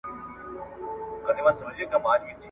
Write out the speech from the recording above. په سینه کي یې د حرص لمبې بلیږي ,